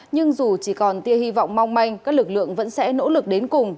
nhưng dù chỉ còn tia hy vọng mong manh các lực lượng vẫn sẽ nỗ lực đến cùng